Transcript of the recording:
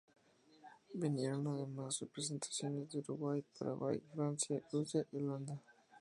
Vinieron además representaciones de Uruguay, Paraguay, Francia, Rusia y Holanda.